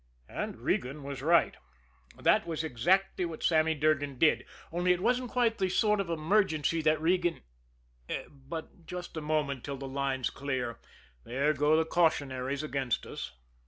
And Regan was right that was exactly what Sammy Durgan did. Only it wasn't quite the sort of emergency that Regan But just a moment till the line's clear, there go the cautionaries against us.